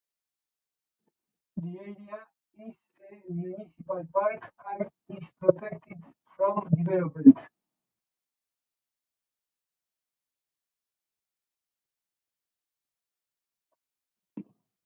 The area is a municipal park and is protected from development.